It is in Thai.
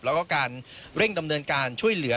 แล้วก็การเร่งดำเนินการช่วยเหลือ